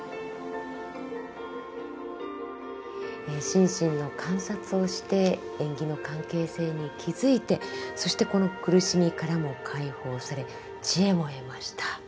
心身の観察をして縁起の関係性に気付いてそしてこの苦しみからも解放され智慧も得ました。